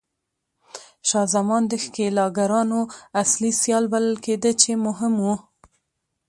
شاه زمان د ښکېلاګرانو اصلي سیال بلل کېده چې مهم و.